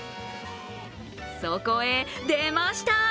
そこへ、出ました！